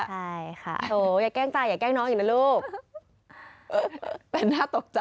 ใช่ค่ะโอ้โหอย่าแก้งจ่ายอย่าแก้งน้องอีกแล้วลูกเป็นหน้าตกใจ